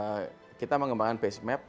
kita tahu nanti kita mengembangkan base map